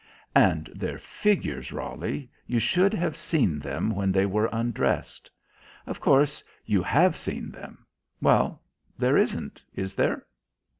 "And their figures, Roly, you should have seen them when they were undressed. Of course, you have seen them. Well, there isn't is there?"